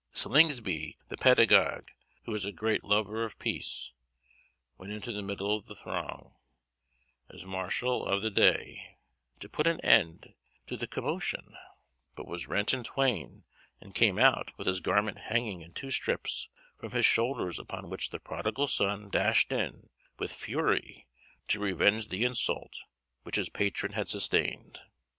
Slingsby, the pedagogue, who is a great lover of peace, went into the middle of the throng, as marshal of the day, to put an end to the commotion, but was rent in twain, and came out with his garment hanging in two strips from his shoulders; upon which the prodigal son dashed in with fury to revenge the insult which his patron had sustained.